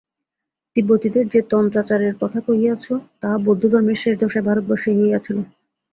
তিব্বতীদের যে তন্ত্রাচারের কথা কহিয়াছ, তাহা বৌদ্ধধর্মের শেষ দশায় ভারতবর্ষেই হইয়াছিল।